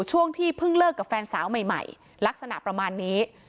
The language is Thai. ช่วงที่เพิ่งเลิกกับแฟนสาวใหม่ลักษณะประมาณนี้